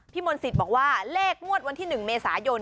มนศิษย์บอกว่าเลขงวดวันที่๑เมษายน